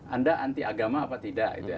anda anti agama apa tidak